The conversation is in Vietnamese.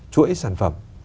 chuỗi sản phẩm